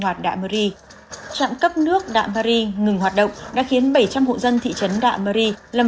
hoạt đạ mơ ri trạm cấp nước đạ mơ ri ngừng hoạt động đã khiến bảy trăm linh hộ dân thị trấn đạ mơ ri lâm